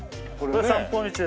散歩道です。